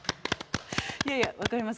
いやいや分かります。